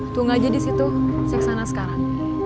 tunggu aja disitu saya kesana sekarang